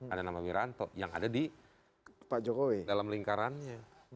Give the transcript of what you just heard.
ada nama wiranto yang ada di dalam lingkarannya